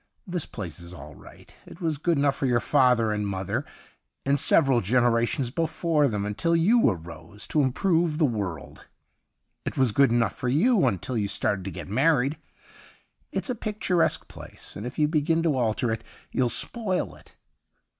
This place is all right. It was good enough for your father and mother and several generations before them until you arose to improve the world ; it was good enough for you until you started to get married. It's a pictur esque place, and if you begin to alter it you'll spoil it.'